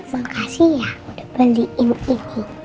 makasih ya udah beliin ini